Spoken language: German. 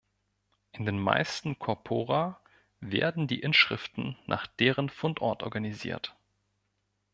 In den meisten Corpora werden die Inschriften nach deren Fundort organisiert.